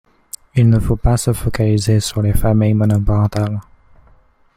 Il ne faut pas se focaliser sur les familles monoparentales.